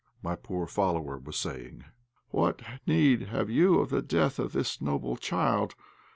my poor follower was saying. "What need have you of the death of this noble child?